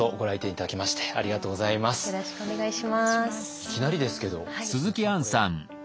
いきなりですけど鈴木さんこれ。